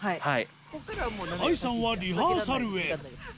ＡＩさんはリハーサルへ。